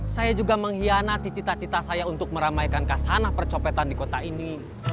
saya juga mengkhianati cita cita saya untuk meramaikan kasanah percopetan di kota ini